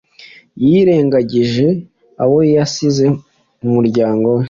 yirengagije abo yasize mu muryango we